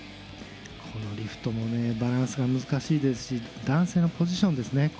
リフトもバランスが難しいですし男性のポジションですね。